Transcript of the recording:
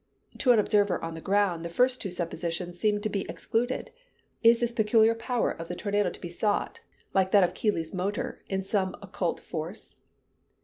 To an observer on the ground the first two suppositions seemed to be excluded. Is this peculiar power of the tornado to be sought, like that of Keely's Motor, in some occult force?